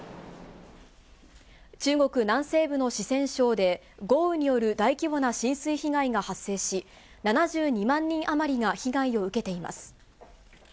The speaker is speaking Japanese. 中国南西部の四川省で、豪雨による大規模な浸水被害が発生し、７２万人余りが被害を受けています。